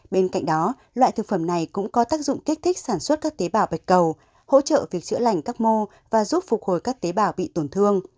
bên cạnh đó loại thực phẩm này cũng có tác dụng kích thích sản xuất các tế bào bạch cầu hỗ trợ việc chữa lành các mô và giúp phục hồi các tế bào bị tổn thương